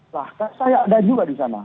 bahkan saya ada juga di sana